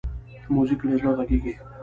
موزیک له زړه غږېږي.